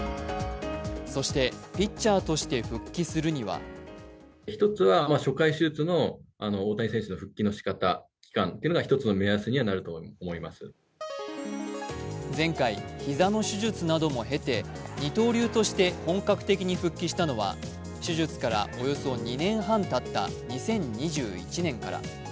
そしてピッチャーとして復帰するには前回、膝の手術なども経て二刀流として本格的に復帰したのは手術からおよそ２年半たったときから。